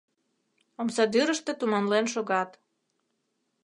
Омсадӱрыштӧ туманлен шогат.